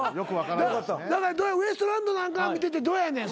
ウエストランドなんか見ててどうやねん。